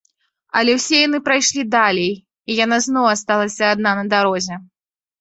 Але ўсе яны прайшлі далей, і яна зноў асталася адна на дарозе.